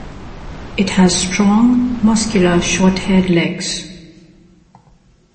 It has strong, muscular, short-haired legs.